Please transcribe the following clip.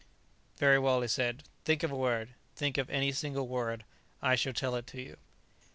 "Very well," he said. "Think of a word. Think of any single word. I shall tell it to you."